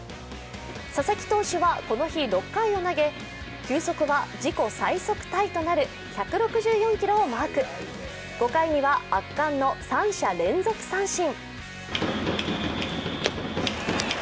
佐々木投手はこの日、６回を投げ球速は自己最速タイとなる１６４キロをマーク、５回には圧巻の３者連続三振。